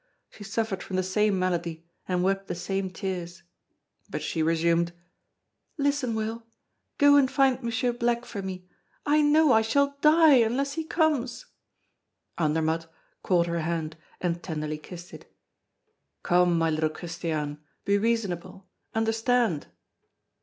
She suffered from the same malady and wept the same tears. But she resumed: "Listen, Will! Go and find M. Black for me. I know I shall die unless he comes!" Andermatt caught her hand, and tenderly kissed it: "Come, my little Christiane, be reasonable understand."